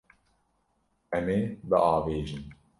Em ê biavêjin.